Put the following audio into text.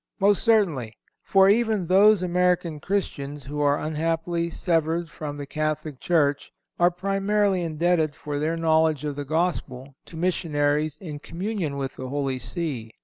Most certainly; for, even those American Christians who are unhappily severed from the Catholic Church are primarily indebted for their knowledge of the Gospel to missionaries in communion with the Holy See.